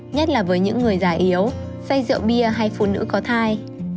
nhất là với những người già yếu say rượu bia hay phụ nữ có thai